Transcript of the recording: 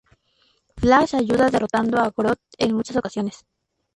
Flash ayuda derrotando a Grodd en muchas ocasiones.